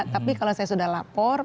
tapi kalau saya sudah lapor